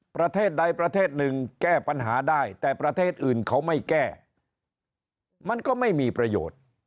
ประเทศใดประเทศหนึ่งแก้ปัญหาได้แต่ประเทศอื่นเขาไม่แก้มันก็ไม่มีประโยชน์